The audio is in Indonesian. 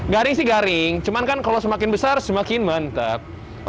garing sih garing cuman kan kalau semakin besar semakin mantap